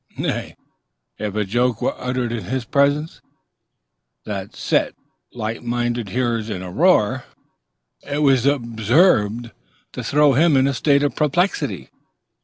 Nay, if a joke were uttered in his presence, that set light minded hearers in a roar, it was observed to throw him into a state of perplexity.